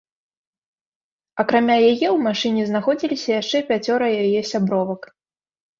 Акрамя яе ў машыне знаходзіліся яшчэ пяцёра яе сябровак.